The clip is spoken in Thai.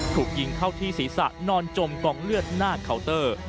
ถูกยิงเข้าที่ศีรษะนอนจมกองเลือดหน้าเคาน์เตอร์